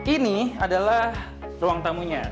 ini adalah ruang tamunya